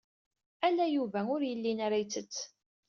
Ala Yuba ur yellin ara yettett.